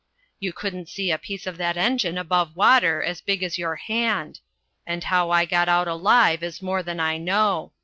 "You couldn't see a piece of that engine above water as big as your hand, and how I got out alive is more than I know.